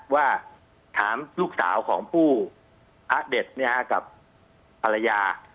ว่าถามลูกสาวของผู้พระเด็ดกับภรรยา